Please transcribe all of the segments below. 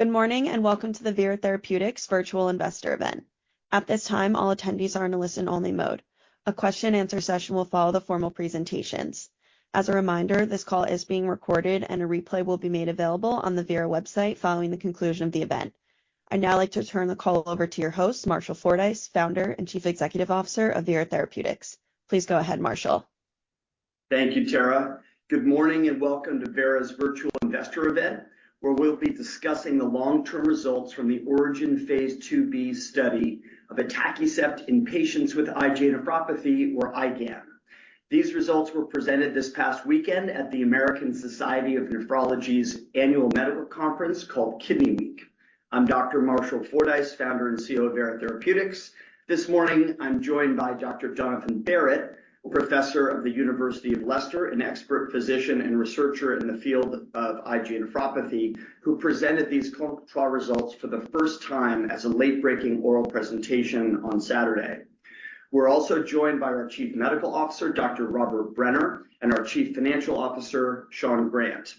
Good morning, and welcome to the Vera Therapeutics Virtual Investor Event. At this time, all attendees are in a listen-only mode. A question and answer session will follow the formal presentations. As a reminder, this call is being recorded and a replay will be made available on the Vera website following the conclusion of the event. I'd now like to turn the call over to your host, Marshall Fordyce, founder and Chief Executive Officer of Vera Therapeutics. Please go ahead, Marshall. Thank you, Tara. Good morning, and welcome to Vera's Virtual Investor Event, where we'll be discussing the long-term results from the ORIGIN Phase IIb study of atacicept in patients with IgA nephropathy or IgAN. These results were presented this past weekend at the American Society of Nephrology's annual medical conference called Kidney Week. I'm Dr. Marshall Fordyce, founder and CEO of Vera Therapeutics. This morning, I'm joined by Dr. Jonathan Barratt, Professor of the University of Leicester, an expert physician and researcher in the field of IgA nephropathy, who presented these clinical trial results for the first time as a late-breaking oral presentation on Saturday. We're also joined by our Chief Medical Officer, Dr. Robert Brenner, and our Chief Financial Officer, Sean Grant.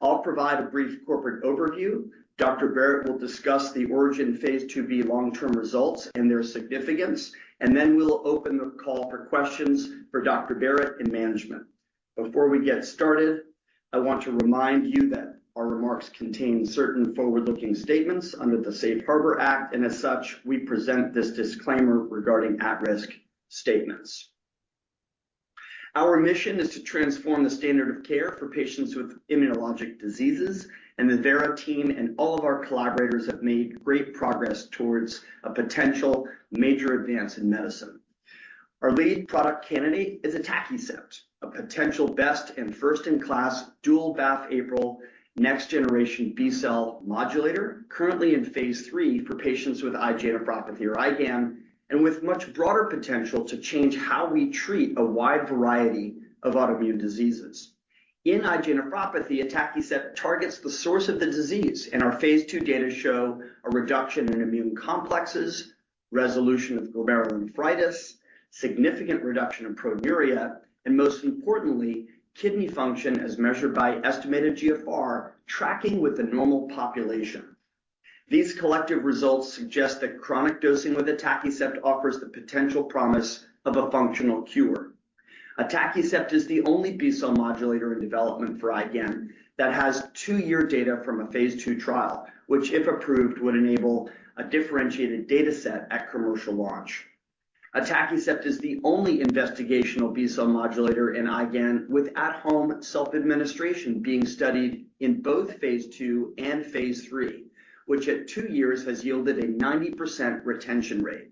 I'll provide a brief corporate overview, Dr. Barratt will discuss the ORIGIN phase IIb long-term results and their significance, and then we'll open the call for questions for Dr. Barratt and management. Before we get started, I want to remind you that our remarks contain certain forward-looking statements under the Safe Harbor Act, and as such, we present this disclaimer regarding at-risk statements. Our mission is to transform the standard of care for patients with immunologic diseases, and the Vera team and all of our collaborators have made great progress towards a potential major advance in medicine. Our lead product candidate is atacicept, a potential best and first-in-class dual BAFF/APRIL next-generation B-cell modulator, currently in phase III for patients with IgA nephropathy or IgAN, and with much broader potential to change how we treat a wide variety of autoimmune diseases. In IgA nephropathy, atacicept targets the source of the disease, and our phase II data show a reduction in immune complexes, resolution of glomerulonephritis, significant reduction in proteinuria, and most importantly, kidney function, as measured by estimated GFR, tracking with the normal population. These collective results suggest that chronic dosing with atacicept offers the potential promise of a functional cure. Atacicept is the only B-cell modulator in development for IgAN that has two-year data from a phase II trial, which, if approved, would enable a differentiated data set at commercial launch. Atacicept is the only investigational B-cell modulator in IgAN, with at-home self-administration being studied in both phase II and phase III, which at two years has yielded a 90% retention rate.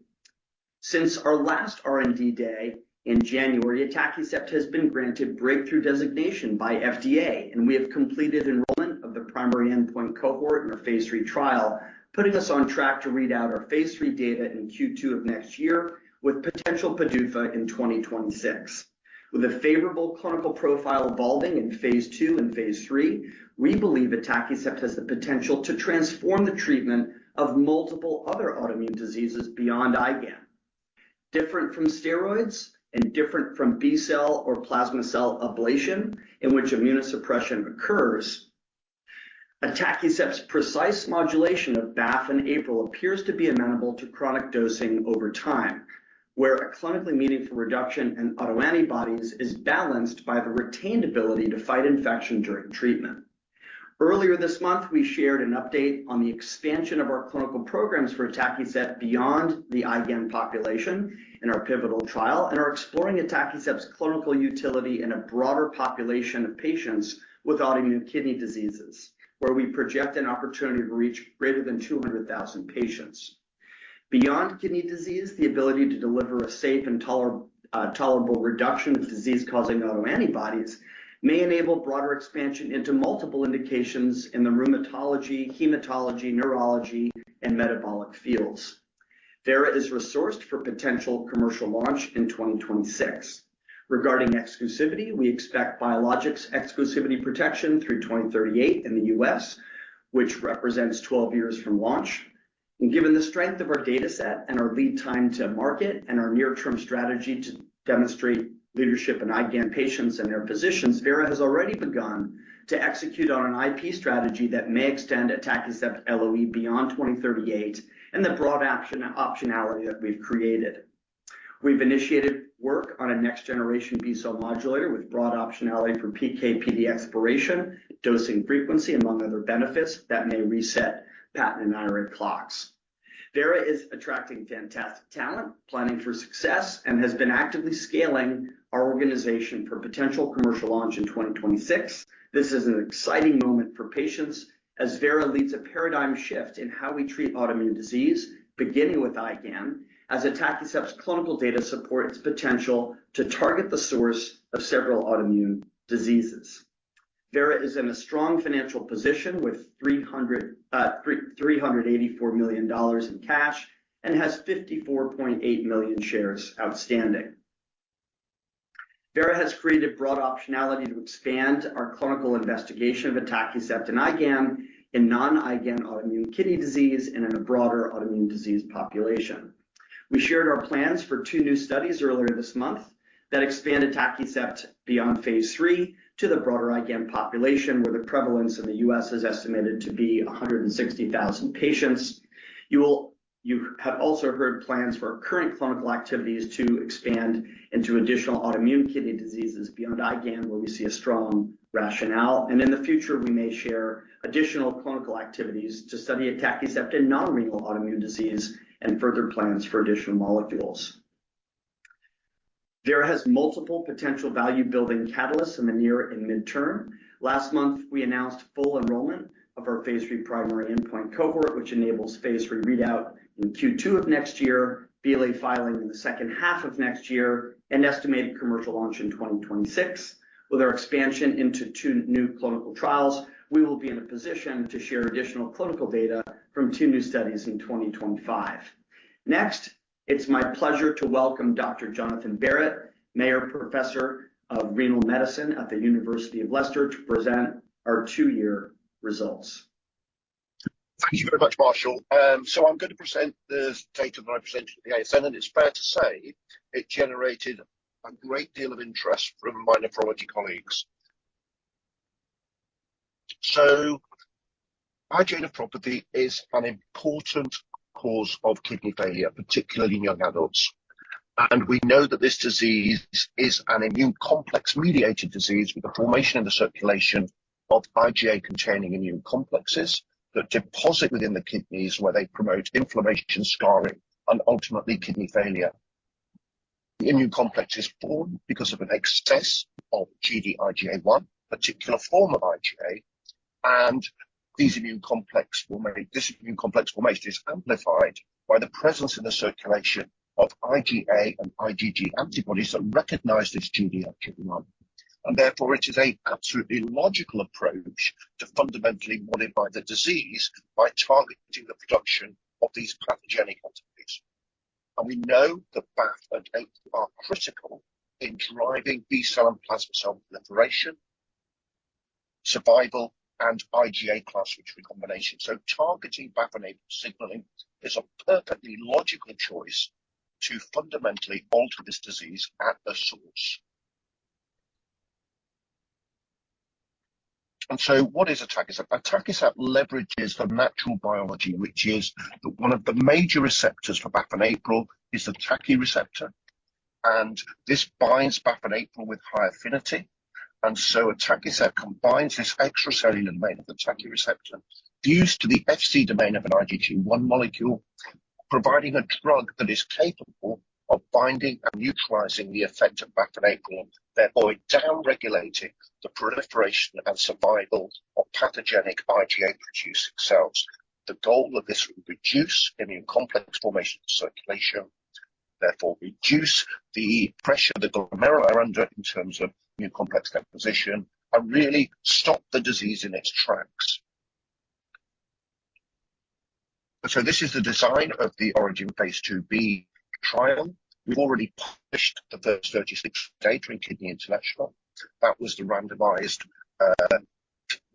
Since our last R&D day in January, atacicept has been granted breakthrough designation by FDA, and we have completed enrollment of the primary endpoint cohort in our phase III trial, putting us on track to read out our phase III data in Q2 of next year with potential PDUFA in twenty twenty-six. With a favorable clinical profile evolving in phase II and phase III, we believe atacicept has the potential to transform the treatment of multiple other autoimmune diseases beyond IgAN. Different from steroids and different from B-cell or plasma cell ablation, in which immunosuppression occurs, atacicept's precise modulation of BAFF and APRIL appears to be amenable to chronic dosing over time, where a clinically meaningful reduction in autoantibodies is balanced by the retained ability to fight infection during treatment. Earlier this month, we shared an update on the expansion of our clinical programs for atacicept beyond the IgAN population in our pivotal trial, and are exploring atacicept's clinical utility in a broader population of patients with autoimmune kidney diseases, where we project an opportunity to reach greater than 200,000 patients. Beyond kidney disease, the ability to deliver a safe and tolerable reduction of disease-causing autoantibodies may enable broader expansion into multiple indications in the rheumatology, hematology, neurology, and metabolic fields. Vera is resourced for potential commercial launch in 2026. Regarding exclusivity, we expect biologics exclusivity protection through 2038 in the U.S., which represents 12 years from launch, and given the strength of our data set and our lead time to market and our near-term strategy to demonstrate leadership in IgAN patients and their physicians, Vera has already begun to execute on an IP strategy that may extend atacicept LOE beyond 2038 and the broad optionality that we've created. We've initiated work on a next-generation B-cell modulator with broad optionality for PK/PD exploration, dosing frequency, among other benefits that may reset patent and IRA clocks. Vera is attracting fantastic talent, planning for success, and has been actively scaling our organization for potential commercial launch in 2026. This is an exciting moment for patients as Vera leads a paradigm shift in how we treat autoimmune disease, beginning with IgAN, as atacicept's clinical data support its potential to target the source of several autoimmune diseases. Vera is in a strong financial position with $384 million in cash and has 54.8 million shares outstanding. Vera has created broad optionality to expand our clinical investigation of atacicept and IgAN in non-IgAN autoimmune kidney disease and in a broader autoimmune disease population. We shared our plans for two new studies earlier this month that expanded atacicept beyond phase III to the broader IgAN population, where the prevalence in the U.S. is estimated to be 160,000 patients. You have also heard plans for our current clinical activities to expand into additional autoimmune kidney diseases beyond IgAN, where we see a strong rationale, and in the future, we may share additional clinical activities to study atacicept in non-renal autoimmune disease and further plans for additional molecules. Vera has multiple potential value-building catalysts in the near and midterm. Last month, we announced full enrollment of our phase III primary endpoint cohort, which enables phase III readout in Q2 of next year, BLA filing in the second half of next year, and estimated commercial launch in 2026. With our expansion into two new clinical trials, we will be in a position to share additional clinical data from two new studies in 2025. Next, it's my pleasure to welcome Dr. Jonathan Barratt, Mayer Professor of Renal Medicine at the University of Leicester, to present our two-year results. Thank you very much, Marshall. I'm going to present this data that I presented at the ASN, and it's fair to say it generated a great deal of interest from my nephrology colleagues. IgA nephropathy is an important cause of kidney failure, particularly in young adults, and we know that this disease is an immune complex-mediated disease with the formation and the circulation of IgA-containing immune complexes that deposit within the kidneys, where they promote inflammation, scarring, and ultimately kidney failure. The immune complex is formed because of an excess of Gd-IgA1, particular form of IgA, and this immune complex formation is amplified by the presence in the circulation of IgA and IgG antibodies that recognize this Gd-IgA1. Therefore, it is an absolutely logical approach to fundamentally modify the disease by targeting the production of these pathogenic antibodies. We know that BAFF is critical in driving B-cell and plasma cell proliferation, survival, and IgA class switch recombination, so targeting BAFF signaling is a perfectly logical choice to fundamentally alter this disease at the source. What is atacicept? Atacicept leverages the natural biology, which is that one of the major receptors for BAFF is the TACI receptor, and this binds BAFF with high affinity, so atacicept combines this extracellular domain of the TACI receptor fused to the Fc domain of an IgG1 molecule, providing a drug that is capable of binding and neutralizing the effect of BAFF, thereby downregulating the proliferation and survival of pathogenic IgA-producing cells. The goal of this will reduce immune complex formation and circulation, therefore, reduce the pressure the glomeruli are under in terms of immune complex deposition, and really stop the disease in its tracks. So this is the design of the ORIGIN Phase IIb trial. We've already published the first thirty-six data in Kidney International. That was the randomized,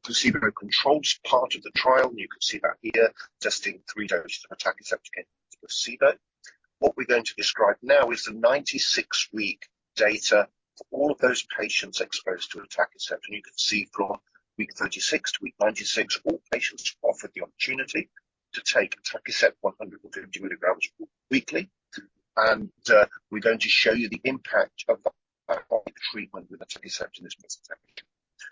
placebo-controlled part of the trial, and you can see that here, testing three doses of atacicept against placebo. What we're going to describe now is the ninety-six-week data for all of those patients exposed to atacicept, and you can see from week thirty-six to week ninety-six, all patients were offered the opportunity to take atacicept one hundred and fifty milligrams weekly. And we're going to show you the impact of the treatment with atacicept in this presentation.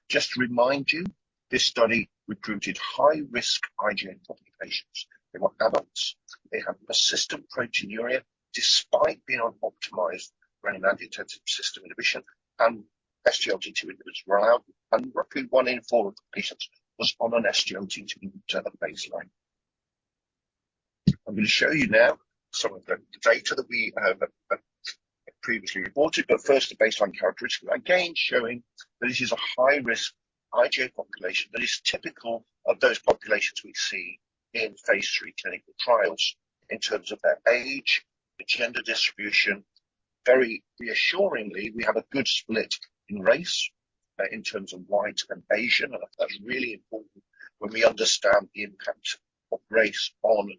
Just to remind you, this study recruited high-risk IgA nephropathy patients. They were adults. They had persistent proteinuria, despite being on optimized renin-angiotensin system inhibition and SGLT2 inhibitors were allowed, and roughly one in four of the patients was on an SGLT2 inhibitor at baseline. I'm going to show you now some of the data that we previously reported, but first, the baseline characteristic, again, showing that this is a high-risk IgA population that is typical of those populations we see in phase III clinical trials in terms of their age, the gender distribution. Very reassuringly, we have a good split in race in terms of White and Asian, and that's really important when we understand the impact of race on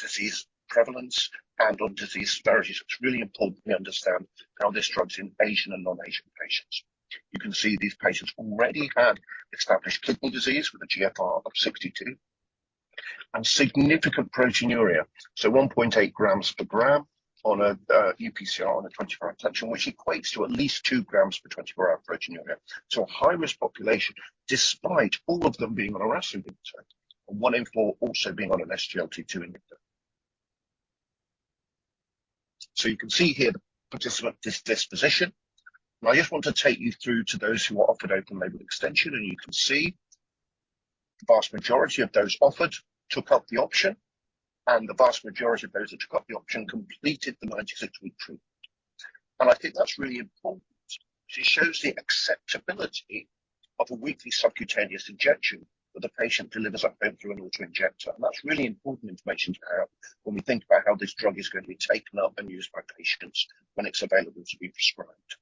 disease prevalence and on disease disparities. It's really important we understand how this drug is in Asian and non-Asian patients. You can see these patients already had established clinical disease with a GFR of 62 and significant proteinuria, so 1.8 grams per gram on a UPCR on a 24-hour collection, which equates to at least 2 grams per 24-hour proteinuria, so a high-risk population, despite all of them being on a RASi inhibitor, and 1 in 4 also being on an SGLT2 inhibitor. So you can see here the participant disposition, and I just want to take you through to those who are offered open-label extension, and you can see the vast majority of those offered took up the option, and the vast majority of those that took up the option completed the 96-week treatment, and I think that's really important. It shows the acceptability of a weekly subcutaneous injection, that the patient delivers a pen-fillable injector. That's really important information to have when we think about how this drug is going to be taken up and used by patients when it's available to be prescribed.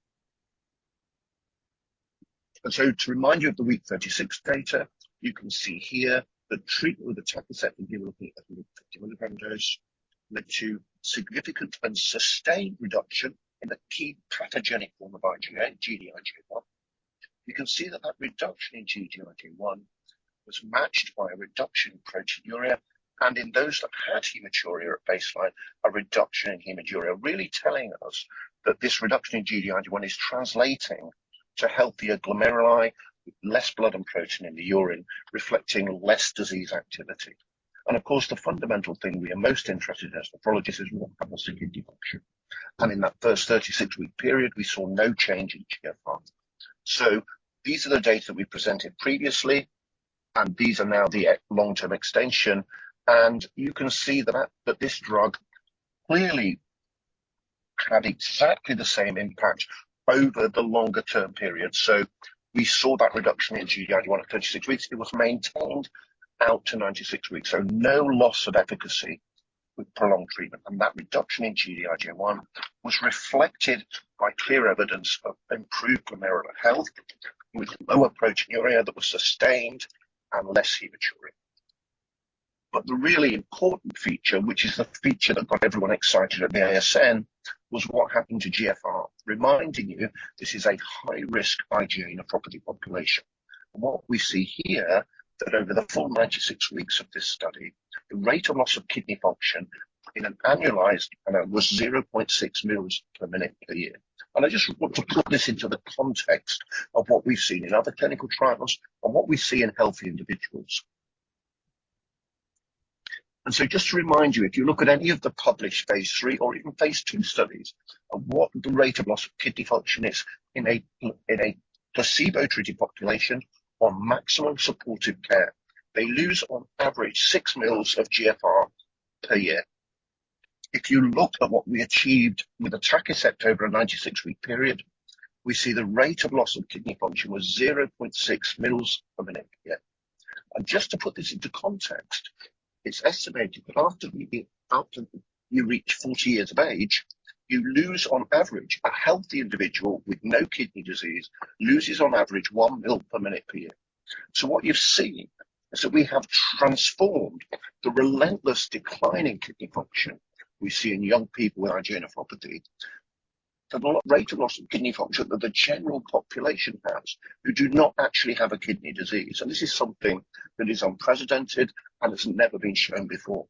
And so to remind you of the week 36 data, you can see here that treatment with atacicept, again, looking at the 50 milligram dose, led to significant and sustained reduction in the key pathogenic form of IgA, Gd-IgA1. You can see that that reduction in Gd-IgA1 was matched by a reduction in proteinuria, and in those that had hematuria at baseline, a reduction in hematuria. Really telling us that this reduction in Gd-IgA1 is translating to healthier glomeruli, less blood and protein in the urine, reflecting less disease activity. And of course, the fundamental thing we are most interested in as nephrologists is what happens in kidney function. And in that first 36-week period, we saw no change in GFR. So these are the data we presented previously, and these are now the long-term extension, and you can see that, that this drug clearly had exactly the same impact over the longer term period. So we saw that reduction in Gd-IgA1 at 36 weeks. It was maintained out to 96 weeks, so no loss of efficacy with prolonged treatment, and that reduction in Gd-IgA1 was reflected by clear evidence of improved glomerular health, with lower proteinuria that was sustained and less hematuria. But the really important feature, which is the feature that got everyone excited at the ASN, was what happened to GFR. Reminding you, this is a high-risk IgA nephropathy population. What we see here, that over the full 96 weeks of this study, the rate of loss of kidney function in an annualized manner was 0.6 mL/min/year. I just want to put this into the context of what we've seen in other clinical trials and what we see in healthy individuals. Just to remind you, if you look at any of the published phase III or even phase II studies of what the rate of loss of kidney function is in a placebo-treated population on maximum supportive care, they lose on average 6 mL/min/year. If you look at what we achieved with atacicept over a 96-week period, we see the rate of loss of kidney function was 0.6 mL/min/year. Just to put this into context, it's estimated that after you reach forty years of age, you lose on average, a healthy individual with no kidney disease, loses on average one ml per minute per year. So what you're seeing is that we have transformed the relentless decline in kidney function we see in young people with IgA nephropathy. The rate of loss of kidney function that the general population has, who do not actually have a kidney disease, and this is something that is unprecedented, and it's never been shown before.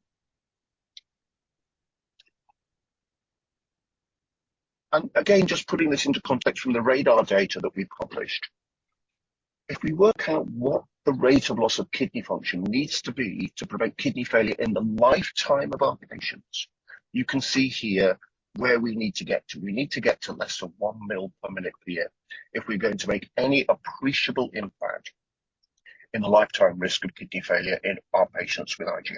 Again, just putting this into context from the ORIGIN data that we've published. If we work out what the rate of loss of kidney function needs to be to prevent kidney failure in the lifetime of our patients, you can see here where we need to get to. We need to get to less than one ml per minute per year if we're going to make any appreciable impact in the lifetime risk of kidney failure in our patients with IgA.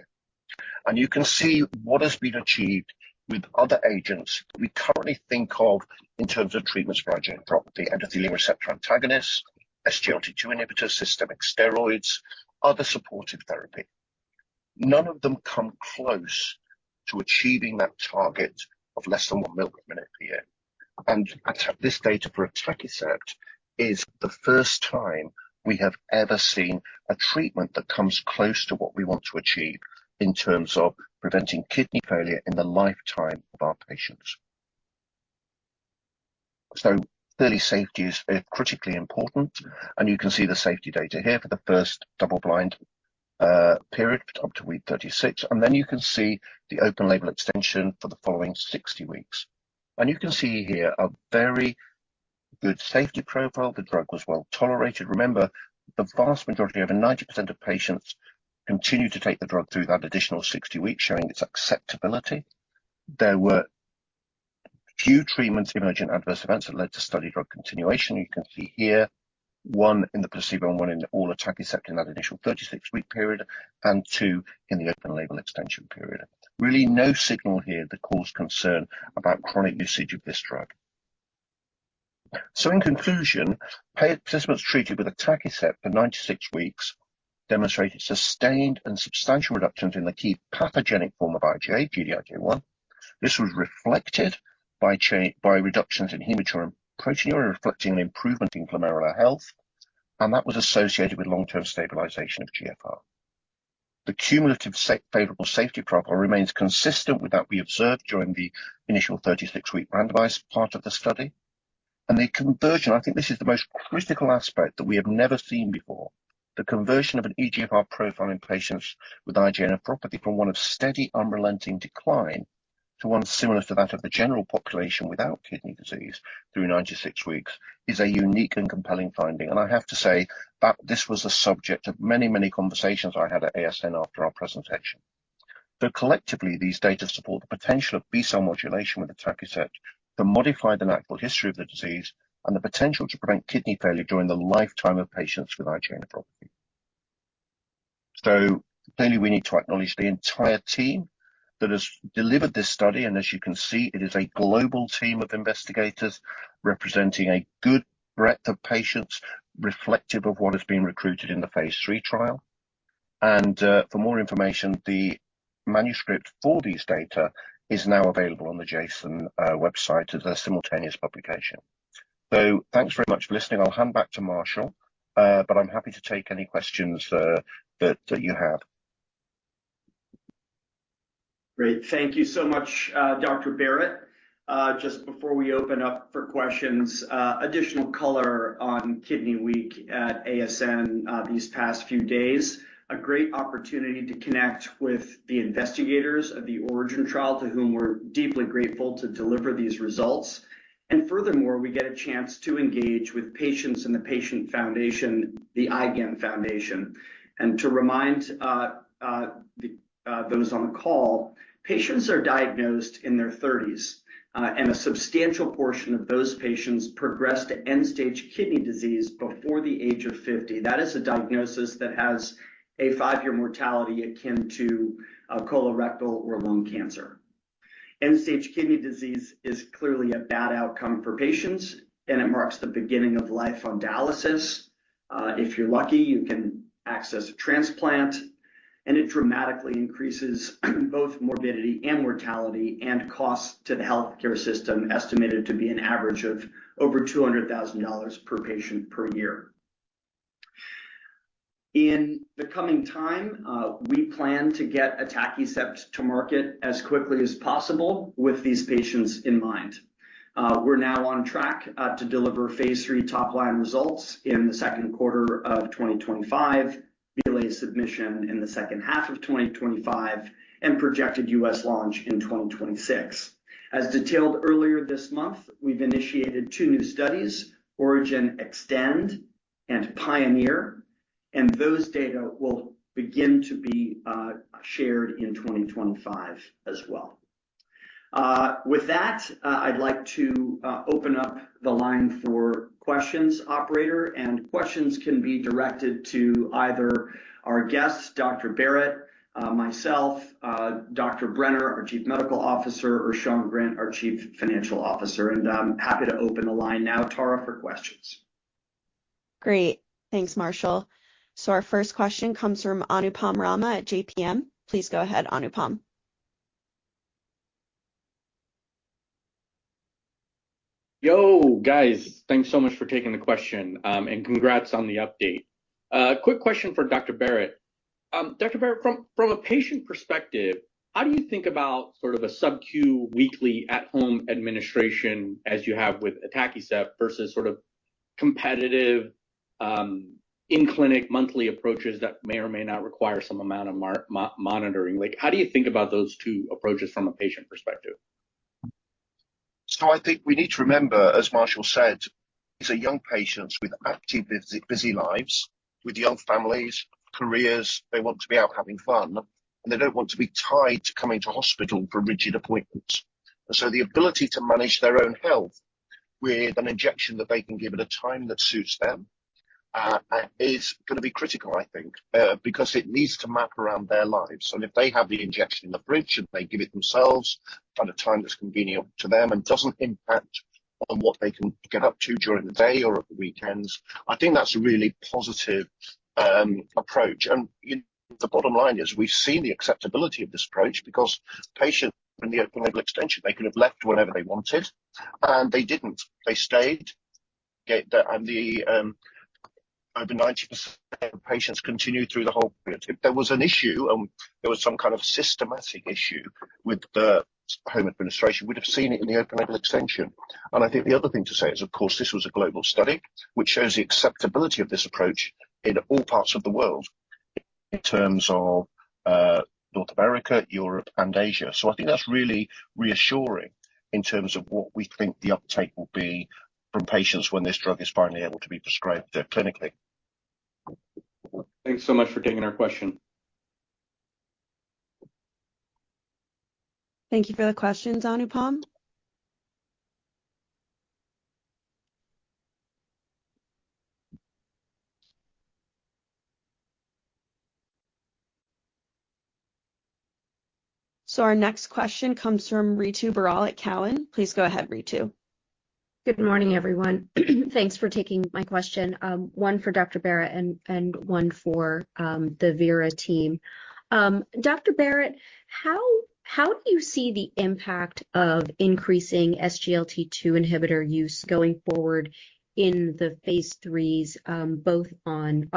You can see what has been achieved with other agents that we currently think of in terms of treatments for IgA nephropathy: endothelin receptor antagonists, SGLT2 inhibitors, systemic steroids, other supportive therapy. None of them come close to achieving that target of less than one ml per minute per year. And this data for atacicept is the first time we have ever seen a treatment that comes close to what we want to achieve in terms of preventing kidney failure in the lifetime of our patients. So clearly, safety is critically important, and you can see the safety data here for the first double-blind period up to week 36, and then you can see the open-label extension for the following 60 weeks. And you can see here a very good safety profile. The drug was well-tolerated. Remember, the vast majority, over 90% of patients, continued to take the drug through that additional 60 weeks, showing its acceptability. There were few treatment-emergent adverse events that led to study drug continuation. You can see here, one in the placebo and one in all atacicept in that initial 36-week period and two in the open-label extension period. Really, no signal here that caused concern about chronic usage of this drug. So in conclusion, participants treated with atacicept for 96 weeks demonstrated sustained and substantial reductions in the key pathogenic form of IgA, Gd-IgA1. This was reflected by by reductions in hematuria and proteinuria, reflecting an improvement in glomerular health, and that was associated with long-term stabilization of GFR. The cumulative favorable safety profile remains consistent with that we observed during the initial 36-week randomized part of the study. And the conversion, I think this is the most critical aspect that we have never seen before, the conversion of an eGFR profile in patients with IgA nephropathy from one of steady, unrelenting decline to one similar to that of the general population without kidney disease through 96 weeks, is a unique and compelling finding. And I have to say that this was the subject of many, many conversations I had at ASN after our presentation. So collectively, these data support the potential of B-cell modulation with atacicept to modify the natural history of the disease and the potential to prevent kidney failure during the lifetime of patients with IgA nephropathy. So clearly, we need to acknowledge the entire team that has delivered this study, and as you can see, it is a global team of investigators representing a good breadth of patients reflective of what has been recruited in the phase III trial.... And, for more information, the manuscript for these data is now available on the JASN website as a simultaneous publication. So thanks very much for listening. I'll hand back to Marshall, but I'm happy to take any questions, that you have. Great. Thank you so much, Dr. Barratt. Just before we open up for questions, additional color on Kidney Week at ASN these past few days. A great opportunity to connect with the investigators of the ORIGIN trial, to whom we're deeply grateful to deliver these results. And furthermore, we get a chance to engage with patients and the patient foundation, the IgAN Foundation. And to remind those on the call, patients are diagnosed in their thirties, and a substantial portion of those patients progress to end-stage kidney disease before the age of fifty. That is a diagnosis that has a five-year mortality akin to colorectal or lung cancer. End-stage kidney disease is clearly a bad outcome for patients, and it marks the beginning of life on dialysis. If you're lucky, you can access a transplant, and it dramatically increases both morbidity and mortality, and costs to the healthcare system, estimated to be an average of over $200,000 per patient per year. In the coming time, we plan to get atacicept to market as quickly as possible with these patients in mind. We're now on track to deliver phase III top-line results in the second quarter of 2025, BLA submission in the second half of 2025, and projected U.S. launch in 2026. As detailed earlier this month, we've initiated two new studies, ORIGIN Extend and PIONEER, and those data will begin to be shared in 2025 as well. With that, I'd like to open up the line for questions, operator. Questions can be directed to either our guest, Dr. Barratt, myself, Dr. Brenner, our Chief Medical Officer, or Sean Grant, our Chief Financial Officer. And I'm happy to open the line now, Tara, for questions. Great. Thanks, Marshall. So our first question comes from Anupam Rama at JPM. Please go ahead, Anupam. Yo, guys. Thanks so much for taking the question, and congrats on the update. Quick question for Dr. Barratt. Dr. Barratt, from a patient perspective, how do you think about sort of a sub-Q, weekly, at-home administration as you have with atacicept versus sort of competitive, in-clinic monthly approaches that may or may not require some amount of monitoring? Like, how do you think about those two approaches from a patient perspective? I think we need to remember, as Marshall said, these are young patients with active, busy lives, with young families, careers. They want to be out having fun, and they don't want to be tied to coming to hospital for rigid appointments. And so the ability to manage their own health with an injection that they can give at a time that suits them is gonna be critical, I think, because it needs to map around their lives. And if they have the injection in the fridge, and they give it themselves at a time that's convenient to them and doesn't impact on what they can get up to during the day or at the weekends, I think that's a really positive approach. And the bottom line is we've seen the acceptability of this approach because patients in the open-label extension, they could have left whenever they wanted, and they didn't. They stayed, and over 90% of patients continued through the whole period. If there was an issue, there was some kind of systematic issue with the home administration, we'd have seen it in the open-label extension. And I think the other thing to say is, of course, this was a global study, which shows the acceptability of this approach in all parts of the world in terms of, North America, Europe, and Asia. So I think that's really reassuring in terms of what we think the uptake will be from patients when this drug is finally able to be prescribed, clinically. Thanks so much for taking our question. Thank you for the questions, Anupam. So our next question comes from Ritu Baral at Cowen. Please go ahead, Ritu. Good morning, everyone. Thanks for taking my question. One for Dr. Barratt and one for the Vera team. Dr. Barratt, how do you see the impact of increasing SGLT2 inhibitor use going forward in the phase IIIs, both on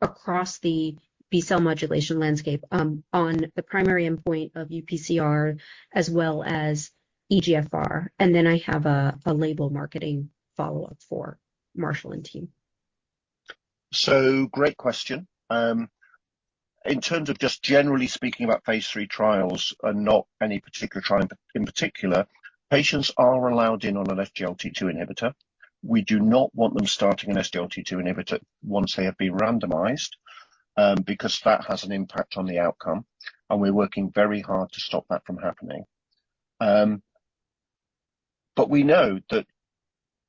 across the B-cell modulation landscape, on the primary endpoint of UPCR as well as eGFR? And then I have a label marketing follow-up for Marshall and team. So great question. In terms of just generally speaking about phase III trials and not any particular trial in particular, patients are allowed in on an SGLT2 inhibitor. We do not want them starting an SGLT2 inhibitor once they have been randomized, because that has an impact on the outcome, and we're working very hard to stop that from happening. But we know that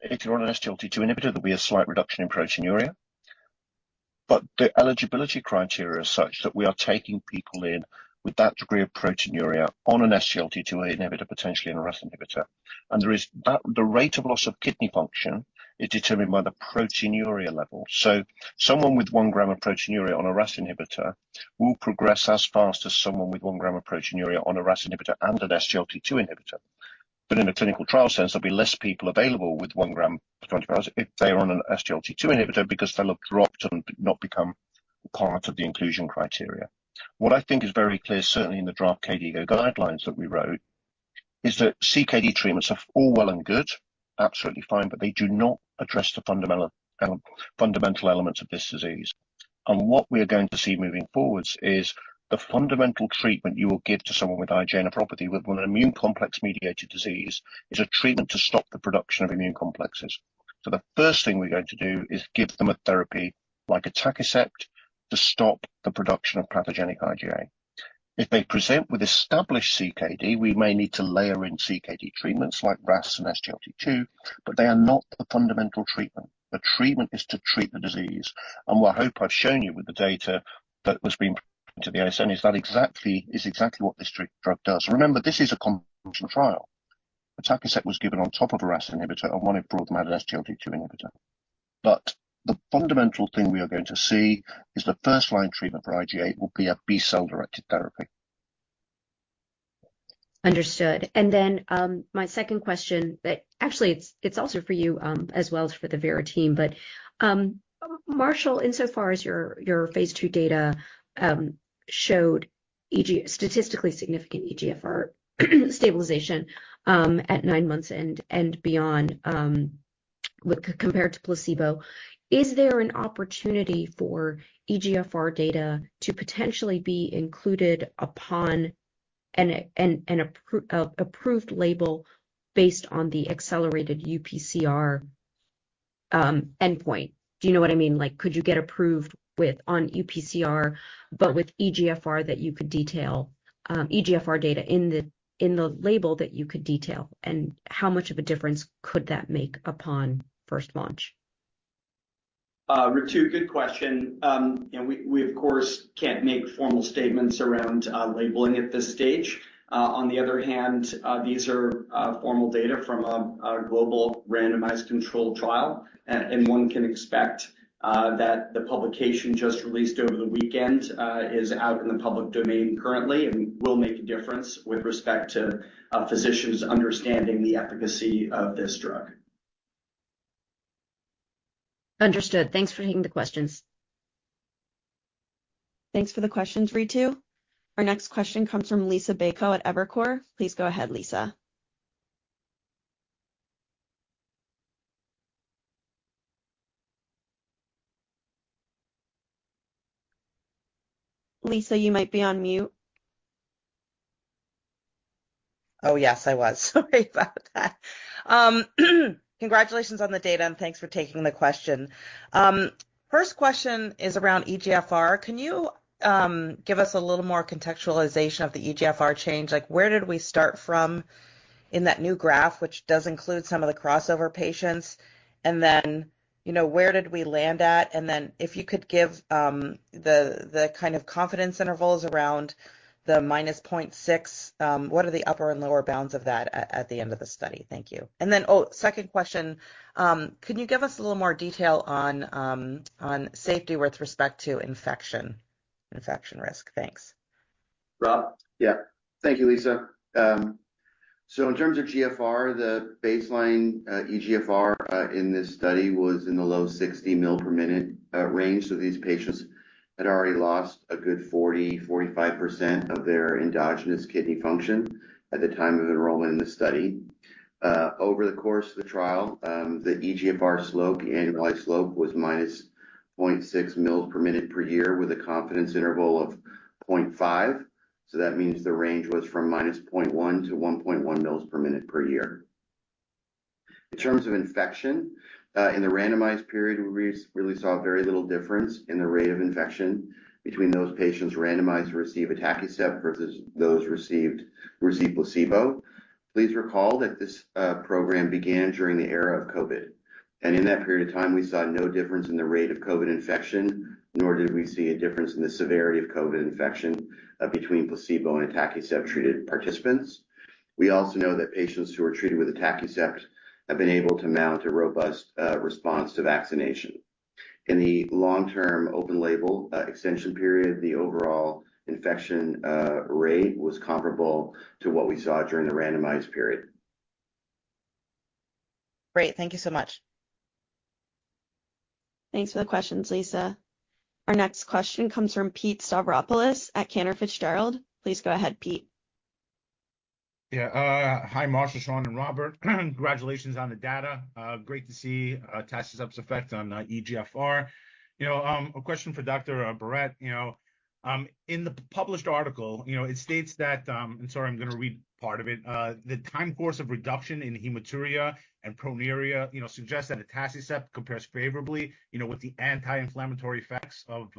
if you're on an SGLT2 inhibitor, there'll be a slight reduction in proteinuria. But the eligibility criteria is such that we are taking people in with that degree of proteinuria on an SGLT2 inhibitor, potentially an RAS inhibitor. And there is, the rate of loss of kidney function is determined by the proteinuria level. So someone with one gram of proteinuria on a RAS inhibitor will progress as fast as someone with one gram of proteinuria on a RAS inhibitor and an SGLT2 inhibitor. But in a clinical trial sense, there'll be less people available with one gram of proteinuria if they are on an SGLT2 inhibitor, because they'll have dropped and not become part of the inclusion criteria. What I think is very clear, certainly in the draft KDIGO guidelines that we wrote, is that CKD treatments are all well and good, absolutely fine, but they do not address the fundamental elements of this disease. And what we are going to see moving forwards is the fundamental treatment you will give to someone with IgA nephropathy, with an immune complex-mediated disease, is a treatment to stop the production of immune complexes. The first thing we're going to do is give them a therapy like atacicept to stop the production of pathogenic IgA. If they present with established CKD, we may need to layer in CKD treatments like RAS and SGLT2, but they are not the fundamental treatment. The treatment is to treat the disease, and what I hope I've shown you with the data that was being presented to the ASN is exactly what this drug does. Remember, this is a combination trial. Atacicept was given on top of a RAS inhibitor, and one, it brought them out of SGLT2 inhibitor. But the fundamental thing we are going to see is the first-line treatment for IgA will be a B-cell-directed therapy. Understood. And then, my second question, actually, it's also for you, as well as for the Vera team, but, Marshall, insofar as your phase II data showed statistically significant eGFR stabilization at nine months and beyond, compared to placebo, is there an opportunity for eGFR data to potentially be included upon an approved label based on the accelerated UPCR endpoint? Do you know what I mean? Like, could you get approved on UPCR, but with eGFR that you could detail eGFR data in the label, and how much of a difference could that make upon first launch? Ritu, good question. And we, of course, can't make formal statements around labeling at this stage. On the other hand, these are formal data from a global randomized controlled trial, and one can expect that the publication just released over the weekend is out in the public domain currently and will make a difference with respect to physicians understanding the efficacy of this drug. Understood. Thanks for taking the questions. Thanks for the questions, Ritu. Our next question comes from Liisa Bayko at Evercore. Please go ahead, Lisa. Lisa, you might be on mute. Oh, yes, I was. Sorry about that. Congratulations on the data, and thanks for taking the question. First question is around eGFR. Can you give us a little more contextualization of the eGFR change? Like, where did we start from in that new graph, which does include some of the crossover patients, and then, you know, where did we land at? And then if you could give the kind of confidence intervals around the minus point six, what are the upper and lower bounds of that at the end of the study? Thank you. And then, oh, second question, can you give us a little more detail on on safety with respect to infection risk? Thanks. Rob? Yeah. Thank you, Lisa. So in terms of GFR, the baseline, eGFR, in this study was in the low 60 mL per minute range. So these patients had already lost a good 40-45% of their endogenous kidney function at the time of enrollment in the study. Over the course of the trial, the eGFR slope, the annualized slope, was -0.6 mL per minute per year, with a confidence interval of 0.5. So that means the range was from minus 0.1 mL-1.1 mL per minute per year. In terms of infection, in the randomized period, we really saw very little difference in the rate of infection between those patients randomized to receive atacicept versus those received placebo. Please recall that this program began during the era of COVID, and in that period of time, we saw no difference in the rate of COVID infection, nor did we see a difference in the severity of COVID infection between placebo and atacicept-treated participants. We also know that patients who are treated with atacicept have been able to mount a robust response to vaccination. In the long-term open-label extension period, the overall infection rate was comparable to what we saw during the randomized period. Great. Thank you so much. Thanks for the questions, Lisa. Our next question comes from Pete Stavropoulos at Cantor Fitzgerald. Please go ahead, Pete. Yeah, hi, Marshall, Sean, and Robert. Congratulations on the data. Great to see atacicept's effect on eGFR. You know, a question for Dr. Barratt. You know, in the published article, you know, it states that, and sorry, I'm gonna read part of it. "The time course of reduction in hematuria and proteinuria, you know, suggests that atacicept compares favorably, you know, with the anti-inflammatory effects of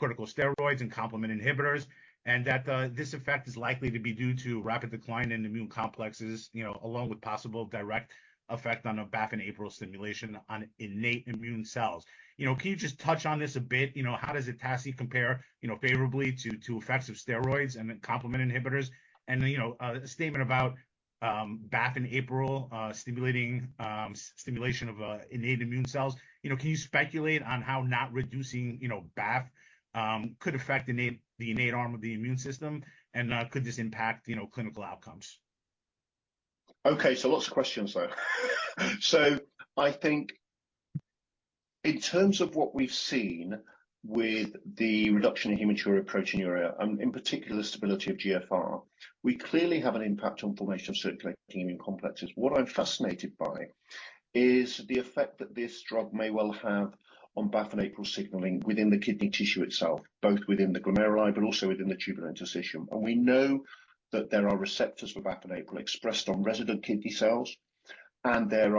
corticosteroids and complement inhibitors, and that this effect is likely to be due to rapid decline in immune complexes, you know, along with possible direct effect on a BAFF and APRIL stimulation on innate immune cells." You know, can you just touch on this a bit? You know, how does atacicept compare, you know, favorably to effects of steroids and then complement inhibitors? And, you know, the statement about BAFF and APRIL stimulation of innate immune cells. You know, can you speculate on how not reducing, you know, BAFF could affect the innate arm of the immune system? And, could this impact, you know, clinical outcomes? Okay, so lots of questions there. So I think in terms of what we've seen with the reduction in hematuria and proteinuria, and in particular stability of GFR, we clearly have an impact on formation of circulating immune complexes. What I'm fascinated by is the effect that this drug may well have on BAFF and APRIL signaling within the kidney tissue itself, both within the glomeruli but also within the tubulointerstitium. And we know that there are receptors for BAFF and APRIL expressed on resident kidney cells, and there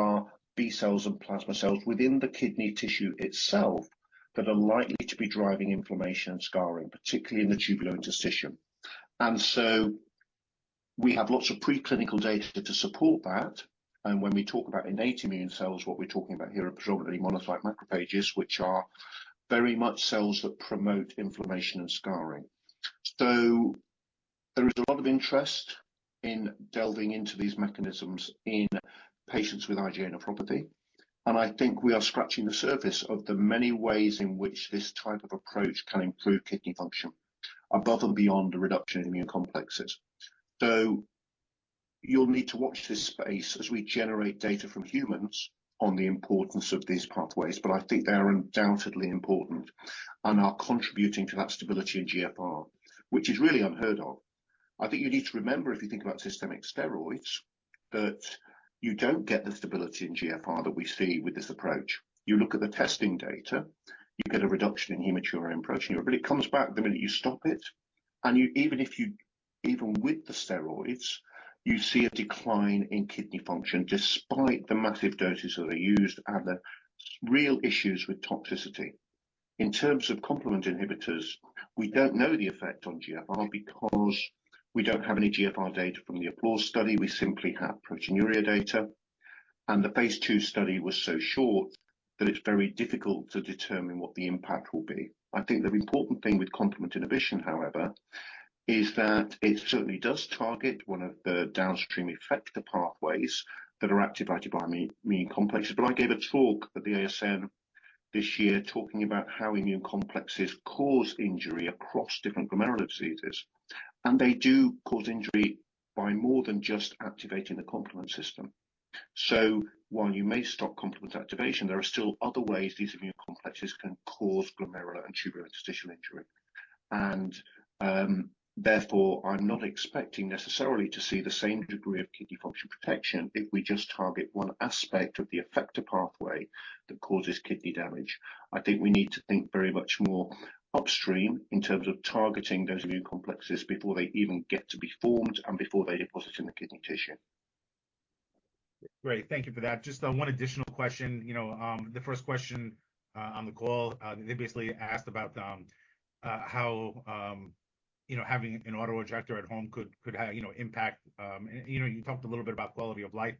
are B cells and plasma cells within the kidney tissue itself that are likely to be driving inflammation and scarring, particularly in the tubulointerstitium. And so we have lots of preclinical data to support that. When we talk about innate immune cells, what we're talking about here are predominantly monocyte macrophages, which are very much cells that promote inflammation and scarring. There is a lot of interest in delving into these mechanisms in patients with IgA nephropathy, and I think we are scratching the surface of the many ways in which this type of approach can improve kidney function above and beyond the reduction in immune complexes. You'll need to watch this space as we generate data from humans on the importance of these pathways, but I think they are undoubtedly important and are contributing to that stability in GFR, which is really unheard of. I think you need to remember, if you think about systemic steroids, that you don't get the stability in GFR that we see with this approach. You look at the testing data. You get a reduction in hematuria and proteinuria, but it comes back the minute you stop it, and even if you, even with the steroids, you see a decline in kidney function despite the massive doses that are used and the real issues with toxicity. In terms of complement inhibitors, we don't know the effect on GFR because we don't have any GFR data from the APPLAUSE study. We simply have proteinuria data, and the phase II study was so short that it's very difficult to determine what the impact will be. I think the important thing with complement inhibition, however, is that it certainly does target one of the downstream effector pathways that are activated by immune complexes. But I gave a talk at the ASN this year, talking about how immune complexes cause injury across different glomerular diseases, and they do cause injury by more than just activating the complement system. So while you may stop complement activation, there are still other ways these immune complexes can cause glomerular and tubulointerstitial injury. And, therefore, I'm not expecting necessarily to see the same degree of kidney function protection if we just target one aspect of the effector pathway that causes kidney damage. I think we need to think very much more upstream in terms of targeting those immune complexes before they even get to be formed and before they deposit in the kidney tissue. Great. Thank you for that. Just, one additional question. You know, the first question on the call, they basically asked about, how, you know, having an autoinjector at home could, you know, impact. You know, you talked a little bit about quality of life,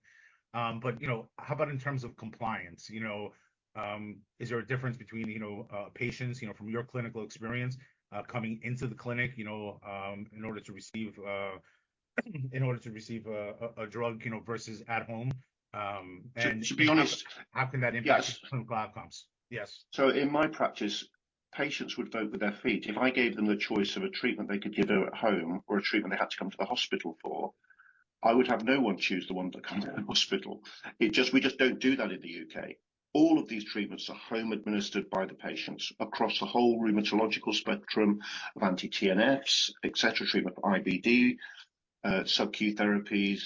but, you know, how about in terms of compliance? You know, is there a difference between, you know, patients, you know, from your clinical experience, coming into the clinic, you know, in order to receive, in order to receive a drug, you know, versus at home? and- To be honest- How can that impact- Yes. clinical outcomes? Yes. So in my practice, patients would vote with their feet. If I gave them the choice of a treatment they could do at home or a treatment they had to come to the hospital for, I would have no one choose the one to come to the hospital. It just. We just don't do that in the UK All of these treatments are home administered by the patients across the whole rheumatological spectrum of anti-TNFs, et cetera, treatment for IBD, subQ therapies.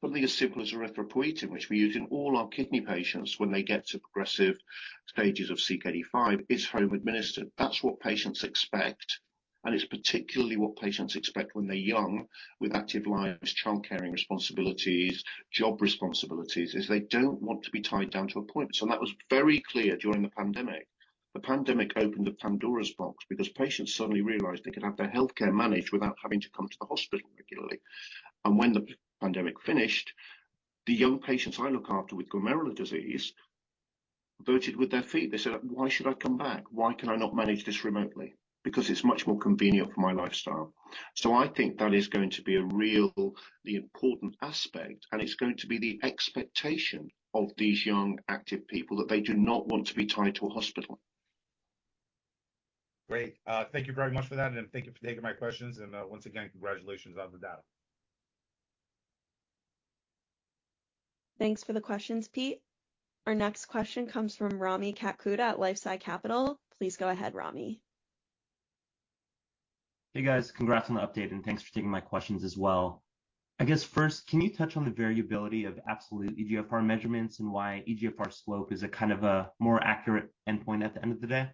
Something as simple as erythropoietin, which we use in all our kidney patients when they get to progressive stages of CKD five, is home administered. That's what patients expect, and it's particularly what patients expect when they're young with active lives, child caring responsibilities, job responsibilities, is they don't want to be tied down to appointments. And that was very clear during the pandemic. The pandemic opened the Pandora's box because patients suddenly realized they could have their healthcare managed without having to come to the hospital regularly, and when the pandemic finished, the young patients I look after with glomerular disease voted with their feet. They said, "Why should I come back? Why can I not manage this remotely? Because it's much more convenient for my lifestyle," so I think that is going to be a really important aspect, and it's going to be the expectation of these young, active people that they do not want to be tied to a hospital. Great. Thank you very much for that, and thank you for taking my questions. And, once again, congratulations on the data. Thanks for the questions, Pete. Our next question comes from Rami Katkhuda at LifeSci Capital. Please go ahead, Rami. ... Hey, guys, congrats on the update, and thanks for taking my questions as well. I guess first, can you touch on the variability of absolute eGFR measurements and why eGFR slope is a kind of a more accurate endpoint at the end of the day?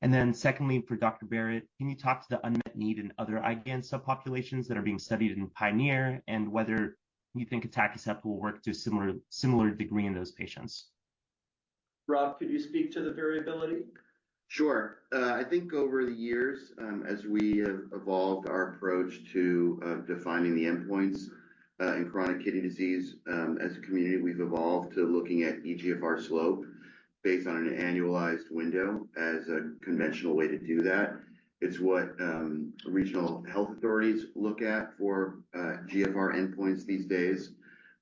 And then secondly, for Dr. Barratt, can you talk to the unmet need in other IgAN subpopulations that are being studied in PIONEER and whether you think atacicept will work to a similar degree in those patients? Rob, could you speak to the variability? Sure. I think over the years, as we have evolved our approach to defining the endpoints in chronic kidney disease, as a community, we've evolved to looking at eGFR slope based on an annualized window as a conventional way to do that. It's what regional health authorities look at for GFR endpoints these days.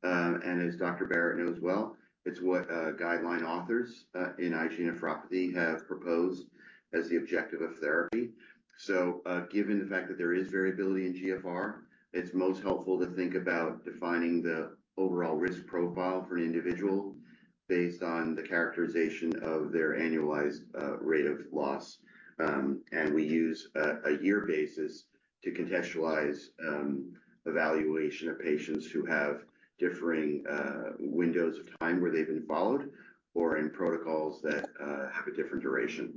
And as Dr. Barratt knows well, it's what guideline authors in IgA nephropathy have proposed as the objective of therapy. So, given the fact that there is variability in GFR, it's most helpful to think about defining the overall risk profile for an individual based on the characterization of their annualized rate of loss. And we use a year basis to contextualize evaluation of patients who have differing windows of time where they've been followed or in protocols that have a different duration.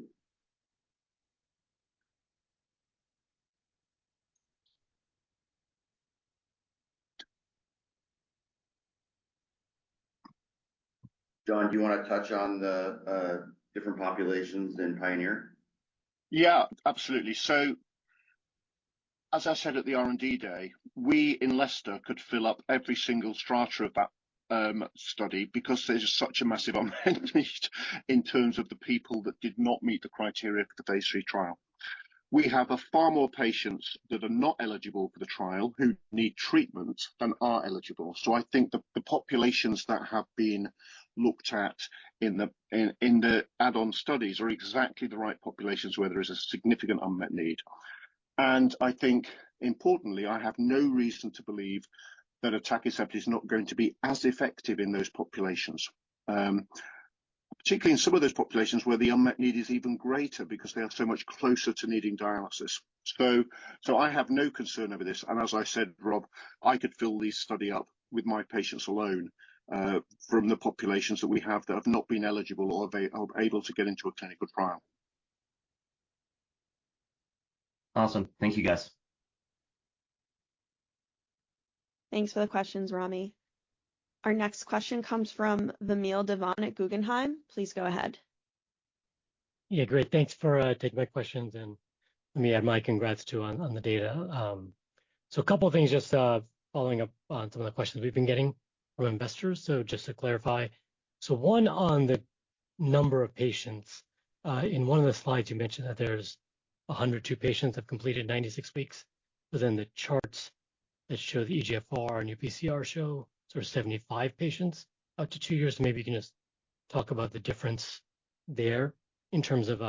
John, do you wanna touch on the different populations in PIONEER? Yeah, absolutely. So as I said at the R&D day, we in Leicester could fill up every single strata of that study because there's such a massive unmet need in terms of the people that did not meet the criteria for the phase III trial. We have a far more patients that are not eligible for the trial who need treatment than are eligible. So I think the populations that have been looked at in the add-on studies are exactly the right populations where there is a significant unmet need. And I think importantly, I have no reason to believe that atacicept is not going to be as effective in those populations. Particularly in some of those populations where the unmet need is even greater because they are so much closer to needing dialysis. I have no concern over this, and as I said, Rob, I could fill this study up with my patients alone from the populations that we have that have not been eligible or they are able to get into a clinical trial. Awesome. Thank you, guys. Thanks for the questions, Rami. Our next question comes from Vamil Divan at Guggenheim. Please go ahead. Yeah, great. Thanks for taking my questions, and let me add my congrats, too, on the data. So a couple of things, just following up on some of the questions we've been getting from investors. So just to clarify, so one on the number of patients. In one of the slides, you mentioned that there's 102 patients have completed 96 weeks, but then the charts that show the eGFR and UPCR show sort of 75 patients up to two years. Maybe you can just talk about the difference there in terms of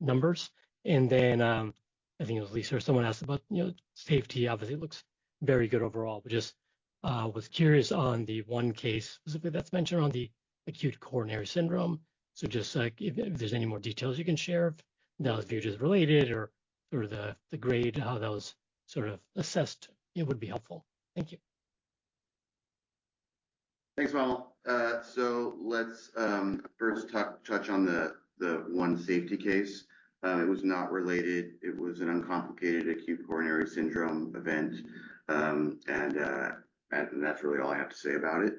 numbers. And then, I think it was Lisa or someone asked about, you know, safety. Obviously, it looks very good overall, but just was curious on the one case specifically that's mentioned on the acute coronary syndrome. Just like if there's any more details you can share, if that was viewed as related or the grade, how that was sort of assessed, it would be helpful. Thank you. Thanks, Vamil. So let's first touch on the one safety case. It was not related. It was an uncomplicated acute coronary syndrome event. And that's really all I have to say about it.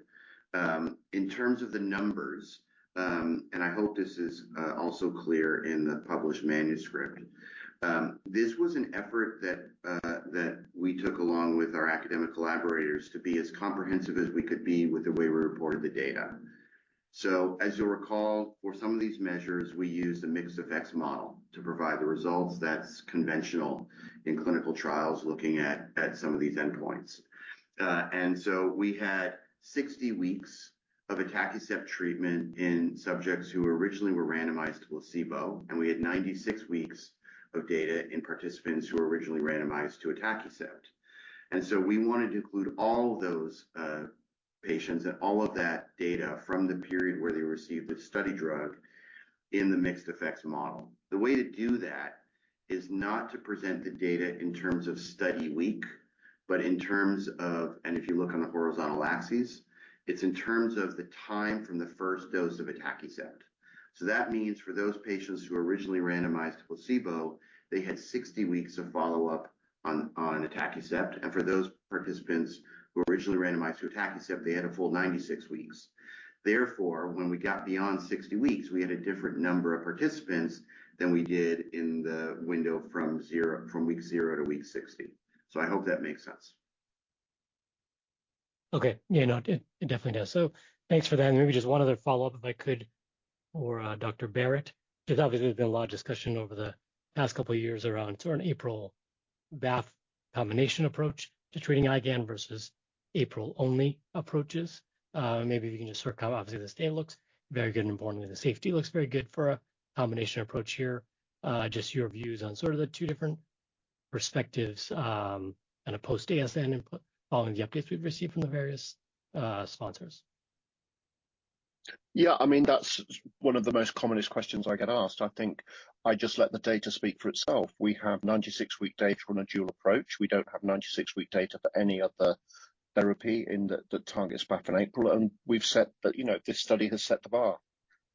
In terms of the numbers, and I hope this is also clear in the published manuscript, this was an effort that we took along with our academic collaborators to be as comprehensive as we could be with the way we reported the data. So as you'll recall, for some of these measures, we used a mixed effects model to provide the results that's conventional in clinical trials, looking at some of these endpoints. And so we had 60 weeks of atacicept treatment in subjects who were originally randomized to placebo, and we had 96 weeks of data in participants who were originally randomized to atacicept. And so we wanted to include all those, patients and all of that data from the period where they received the study drug in the mixed effects model. The way to do that is not to present the data in terms of study week, but in terms of, and if you look on the horizontal axis, it's in terms of the time from the first dose of atacicept. So that means for those patients who were originally randomized to placebo, they had 60 weeks of follow-up on atacicept, and for those participants who were originally randomized to atacicept, they had a full 96 weeks. Therefore, when we got beyond sixty weeks, we had a different number of participants than we did in the window from week zero to week 60. So I hope that makes sense. Okay. Yeah, no, it, it definitely does. So thanks for that. And maybe just one other follow-up, if I could, for Dr. Barratt. There's obviously been a lot of discussion over the past couple of years around sort of an APRIL-BAFF combination approach to treating IgAN versus APRIL-only approaches. Maybe if you can just sort of how obviously the safety looks very good, and importantly, the safety looks very good for a combination approach here. Just your views on sort of the two different perspectives, and a post-ASN input, following the updates we've received from the various sponsors.... Yeah, I mean, that's one of the most commonest questions I get asked. I think I just let the data speak for itself. We have 96-week data on a dual approach. We don't have 96-week data for any other therapy in the targets BAFF and APRIL, and we've set the, you know, this study has set the bar,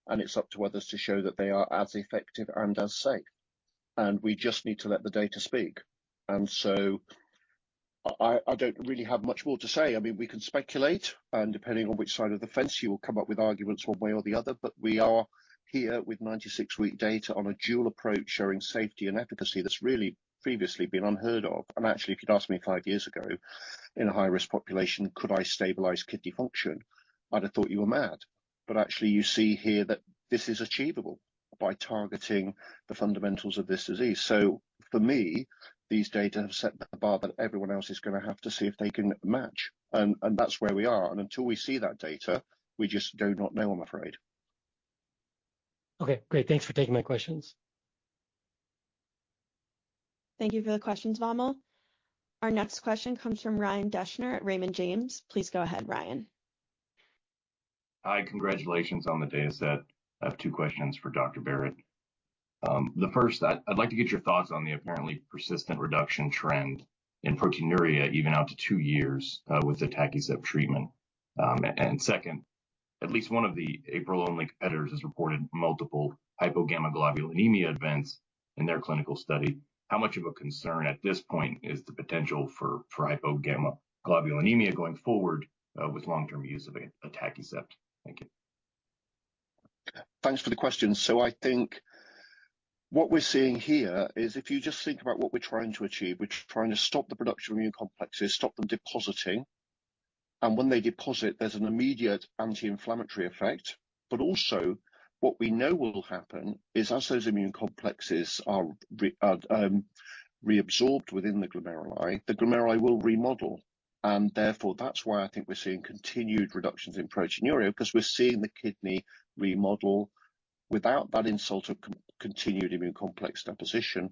and it's up to others to show that they are as effective and as safe, and we just need to let the data speak. And so I, I don't really have much more to say. I mean, we can speculate, and depending on which side of the fence, you will come up with arguments one way or the other. But we are here with 96-week data on a dual approach, showing safety and efficacy that's really previously been unheard of. Actually, if you'd asked me five years ago, in a high-risk population, could I stabilize kidney function? I'd have thought you were mad. Actually, you see here that this is achievable by targeting the fundamentals of this disease. For me, these data have set the bar that everyone else is gonna have to see if they can match, and that's where we are. Until we see that data, we just do not know, I'm afraid. Okay, great. Thanks for taking my questions. Thank you for the questions, Vamil. Our next question comes from Ryan Deschner at Raymond James. Please go ahead, Ryan. Hi, congratulations on the dataset. I have two questions for Dr. Barratt. The first, I'd like to get your thoughts on the apparently persistent reduction trend in proteinuria, even out to two years, with atacicept treatment. And second, at least one of the APRIL-only inhibitors has reported multiple hypogammaglobulinemia events in their clinical study. How much of a concern at this point is the potential for hypogammaglobulinemia going forward, with long-term use of atacicept? Thank you. Thanks for the question. So I think what we're seeing here is if you just think about what we're trying to achieve, we're trying to stop the production of immune complexes, stop them depositing, and when they deposit, there's an immediate anti-inflammatory effect. But also, what we know will happen is as those immune complexes are reabsorbed within the glomeruli, the glomeruli will remodel. And therefore, that's why I think we're seeing continued reductions in proteinuria, 'cause we're seeing the kidney remodel without that insult of continued immune complex deposition.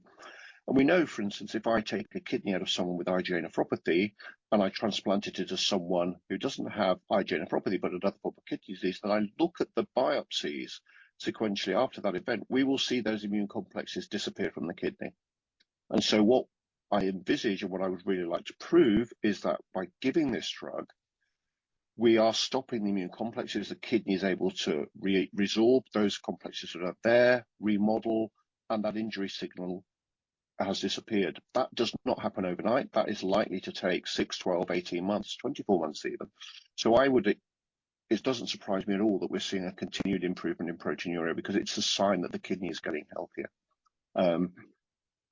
And we know, for instance, if I take a kidney out of someone with IgA nephropathy, and I transplant it into someone who doesn't have IgA nephropathy, but another form of kidney disease, and I look at the biopsies sequentially after that event, we will see those immune complexes disappear from the kidney. And so what I envisage and what I would really like to prove is that by giving this drug, we are stopping the immune complexes, the kidney is able to resorb those complexes that are there, remodel, and that injury signal has disappeared. That does not happen overnight. That is likely to take six, 12, 18 months, 24 months even. So I would. It doesn't surprise me at all that we're seeing a continued improvement in proteinuria because it's a sign that the kidney is getting healthier.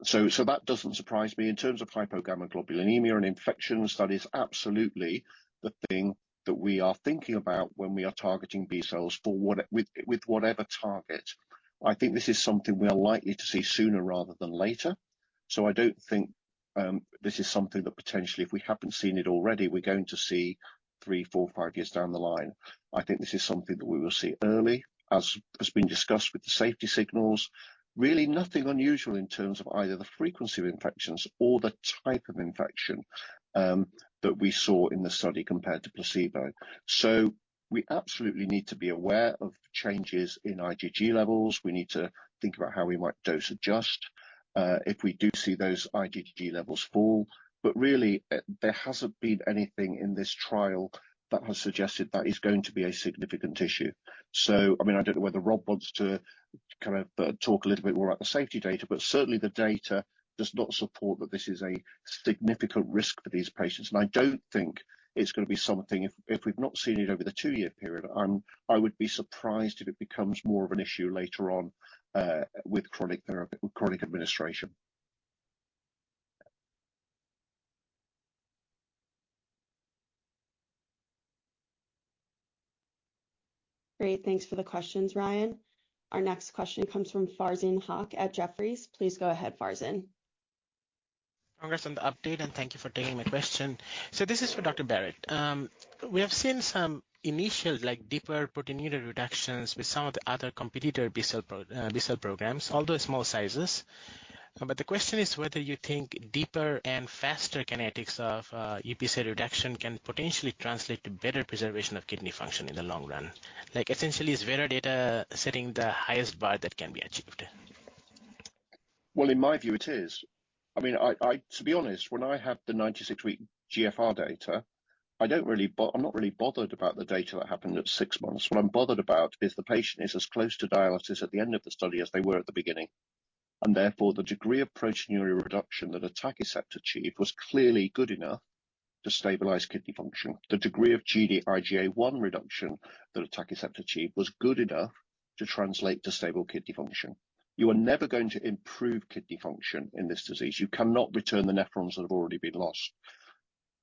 So that doesn't surprise me. In terms of hypogammaglobulinemia and infections, that is absolutely the thing that we are thinking about when we are targeting B-cells for whatever with, with whatever target. I think this is something we are likely to see sooner rather than later, so I don't think, this is something that potentially, if we haven't seen it already, we're going to see three, four, five years down the line. I think this is something that we will see early, as has been discussed with the safety signals. Really nothing unusual in terms of either the frequency of infections or the type of infection, that we saw in the study compared to placebo. So we absolutely need to be aware of changes in IgG levels. We need to think about how we might dose adjust, if we do see those IgG levels fall. But really, there hasn't been anything in this trial that has suggested that is going to be a significant issue. I mean, I don't know whether Rob wants to kind of talk a little bit more about the safety data, but certainly the data does not support that this is a significant risk for these patients, and I don't think it's gonna be something. If we've not seen it over the two-year period, I would be surprised if it becomes more of an issue later on with chronic administration. Great. Thanks for the questions, Ryan. Our next question comes from Farzin Haque at Jefferies. Please go ahead, Farzin. Congrats on the update, and thank you for taking my question. So this is for Dr. Barratt. We have seen some initial, like, deeper proteinuria reductions with some of the other competitor B-cell pro, B-cell programs, although small sizes. But the question is whether you think deeper and faster kinetics of UPC reduction can potentially translate to better preservation of kidney function in the long run. Like, essentially, is Vera data setting the highest bar that can be achieved? In my view, it is. I mean, to be honest, when I have the 96-week GFR data, I don't really. I'm not really bothered about the data that happened at six months. What I'm bothered about is the patient is as close to dialysis at the end of the study as they were at the beginning, and therefore, the degree of proteinuria reduction that atacicept achieved was clearly good enough to stabilize kidney function. The degree of Gd-IgA1 reduction that atacicept achieved was good enough to translate to stable kidney function. You are never going to improve kidney function in this disease. You cannot return the nephrons that have already been lost.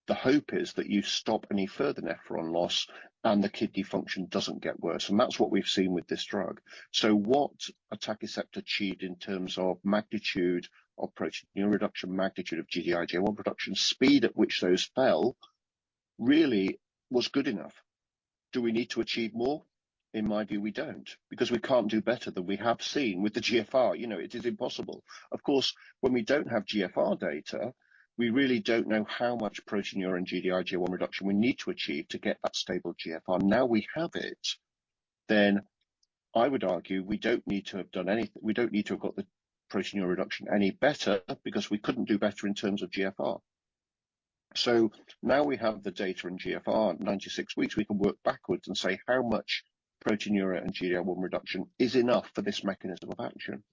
The hope is that you stop any further nephron loss, and the kidney function doesn't get worse, and that's what we've seen with this drug. So, what atacicept achieved in terms of magnitude of proteinuria reduction, magnitude of Gd-IgA1 reduction, speed at which those fell, really was good enough. Do we need to achieve more? In my view, we don't, because we can't do better than we have seen with the GFR. You know, it is impossible. Of course, when we don't have GFR data, we really don't know how much proteinuria and Gd-IgA1 reduction we need to achieve to get that stable GFR. Now we have it. Then I would argue, we don't need to have done any. We don't need to have got the proteinuria reduction any better because we couldn't do better in terms of GFR. So now we have the data in GFR, 96 weeks, we can work backwards and say how much proteinuria and Gd-IgA1 reduction is enough for this mechanism of action.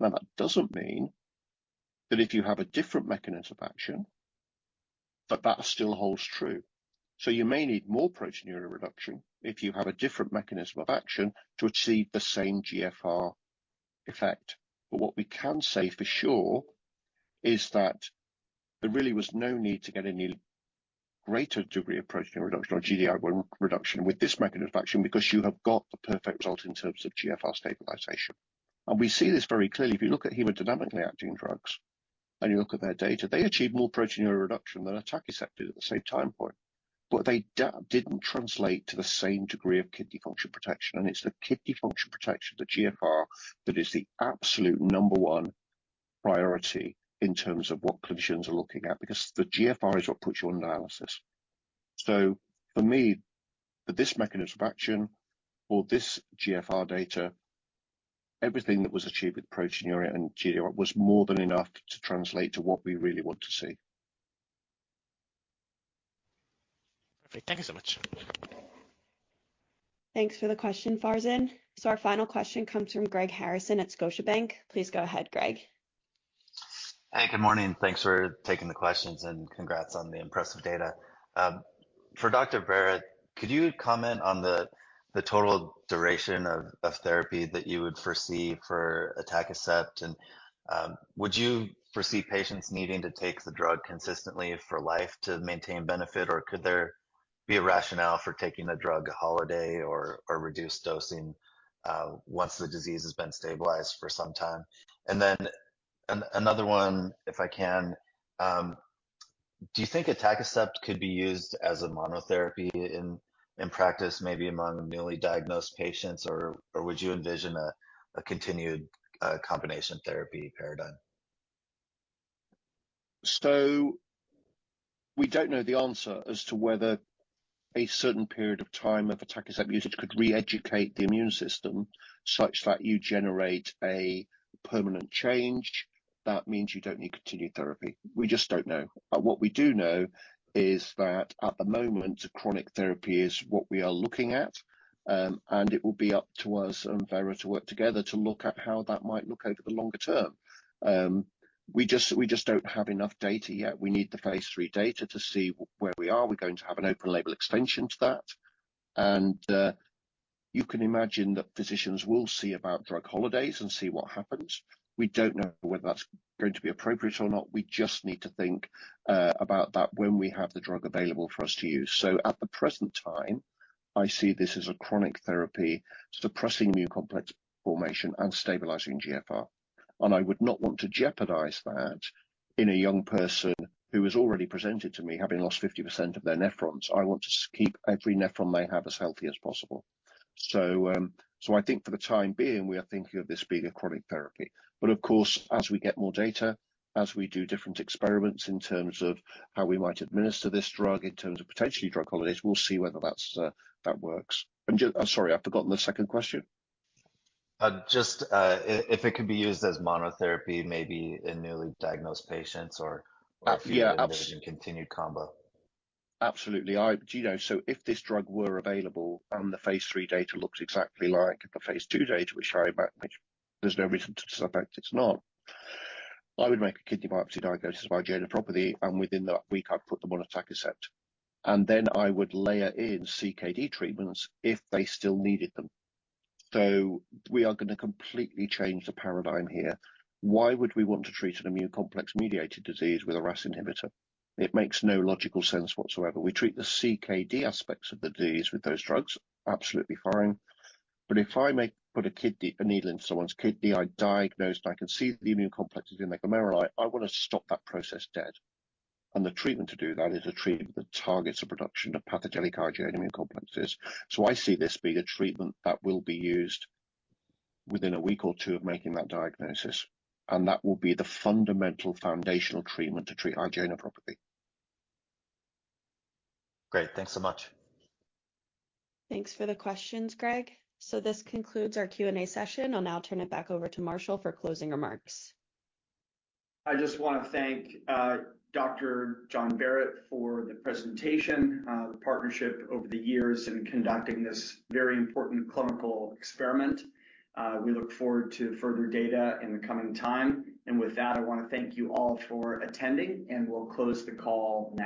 Now, that doesn't mean that if you have a different mechanism of action, that that still holds true, so you may need more proteinuria reduction if you have a different mechanism of action to achieve the same GFR effect, but what we can say for sure is that there really was no need to get any greater degree of proteinuria reduction or GFR one reduction with this mechanism of action, because you have got the perfect result in terms of GFR stabilization, and we see this very clearly. If you look at hemodynamically acting drugs and you look at their data, they achieve more proteinuria reduction than atacicept did at the same time point, but they didn't translate to the same degree of kidney function protection. And it's the kidney function protection, the GFR, that is the absolute number one priority in terms of what clinicians are looking at, because the GFR is what puts you on dialysis. So for me, for this mechanism of action or this GFR data, everything that was achieved with proteinuria and GFR was more than enough to translate to what we really want to see. Perfect. Thank you so much. Thanks for the question, Farzin. So our final question comes from Greg Harrison at Scotiabank. Please go ahead, Greg. Hi, good morning. Thanks for taking the questions, and congrats on the impressive data. For Dr. Barratt, could you comment on the total duration of therapy that you would foresee for atacicept? And, would you foresee patients needing to take the drug consistently for life to maintain benefit, or could there be a rationale for taking a drug holiday or reduced dosing, once the disease has been stabilized for some time? And then, another one, if I can. Do you think atacicept could be used as a monotherapy in practice, maybe among newly diagnosed patients, or would you envision a continued, combination therapy paradigm? So we don't know the answer as to whether a certain period of time of atacicept usage could re-educate the immune system such that you generate a permanent change that means you don't need continued therapy. We just don't know. But what we do know is that at the moment, a chronic therapy is what we are looking at, and it will be up to us and Vera to work together to look at how that might look over the longer term. We just don't have enough data yet. We need the phase III data to see where we are. We're going to have an open label extension to that. And, you can imagine that physicians will see about drug holidays and see what happens. We don't know whether that's going to be appropriate or not. We just need to think about that when we have the drug available for us to use. So at the present time, I see this as a chronic therapy, suppressing immune complex formation and stabilizing GFR, and I would not want to jeopardize that in a young person who has already presented to me having lost 50% of their nephrons. I want to keep every nephron they have as healthy as possible. So I think for the time being, we are thinking of this being a chronic therapy. But of course, as we get more data, as we do different experiments in terms of how we might administer this drug, in terms of potentially drug holidays, we'll see whether that's that works. And I'm sorry, I've forgotten the second question. Just, if it could be used as monotherapy, maybe in newly diagnosed patients or- Uh, yeah Or continued combo. Absolutely. You know, so if this drug were available and the phase III data looks exactly like the phase II data, which there's no reason to suspect it's not, I would make a kidney biopsy diagnosis of IgAN properly, and within that week, I'd put them on atacicept, and then I would layer in CKD treatments if they still needed them. So we are gonna completely change the paradigm here. Why would we want to treat an immune complex mediated disease with a RAS inhibitor? It makes no logical sense whatsoever. We treat the CKD aspects of the disease with those drugs, absolutely fine. But if I put a needle into someone's kidney, I can see the immune complexes in the glomeruli, I wanna stop that process dead. The treatment to do that is a treatment that targets the production of pathogenic IgA immune complexes. I see this being a treatment that will be used within a week or two of making that diagnosis, and that will be the fundamental foundational treatment to treat IgA properly. Great. Thanks so much. Thanks for the questions, Greg. So this concludes our Q&A session. I'll now turn it back over to Marshall for closing remarks. I just wanna thank Dr. Jonathan Barratt for the presentation, the partnership over the years in conducting this very important clinical study. We look forward to further data in the coming time. And with that, I wanna thank you all for attending, and we'll close the call now.